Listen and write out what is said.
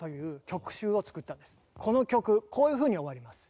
この曲こういうふうに終わります。